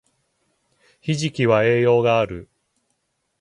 ひじきは栄養がある